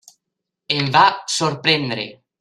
Em va sorprendre.